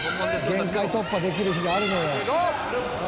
「限界突破できる日があるのよ」